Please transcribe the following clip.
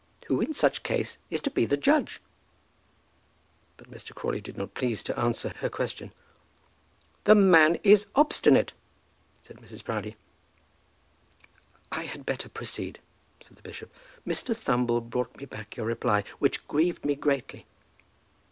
Who, in such a case, is to be the judge?" But Mr. Crawley did not please to answer her question. "The man is obstinate," said Mrs. Proudie. "I had better proceed," said the bishop. "Mr. Thumble brought me back your reply, which grieved me greatly."